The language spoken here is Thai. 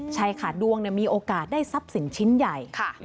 ใช่ค่ะดวงมีโอกาสได้ทรัพย์สินชิ้นใหญ่